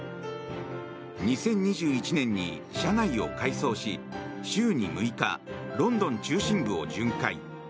２０２１年に車内を改装し週に６日ロンドン中心部を巡回。